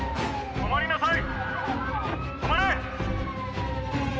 止まりなさい！